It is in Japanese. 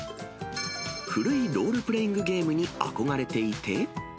古いロールプレイングゲームに憧れていて。